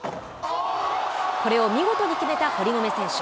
これを見事に決めた堀米選手。